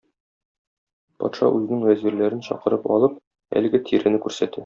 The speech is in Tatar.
Патша үзенең вәзирләрен чакырып алып, әлеге тирене күрсәтә.